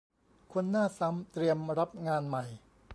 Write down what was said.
คนหน้าซ้ำเตรียมรับงานใหม่